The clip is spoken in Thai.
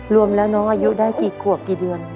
รวมแล้วน้องอายุได้กี่ขวบกี่เดือน